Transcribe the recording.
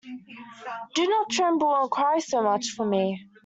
Do not tremble and cry so much for me.